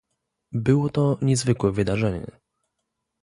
Było to niezwykłe wydarzenie